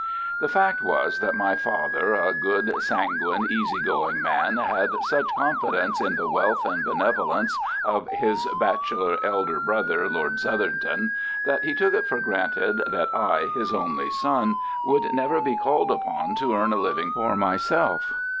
The fact was that my father, a good, sanguine, easy going man, had such confidence in the wealth and benevolence of his bachelor elder brother, Lord Southerton, that he took it for granted that I, his only son, would never be called upon to earn a living for myself.